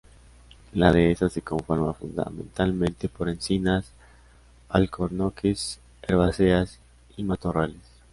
La dehesa se conforma fundamentalmente por encinas, alcornoques, herbáceas y matorrales.